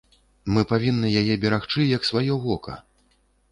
Мы павінны яе берагчы як сваё вока.